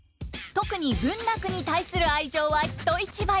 特に文楽に対する愛情はひと一倍！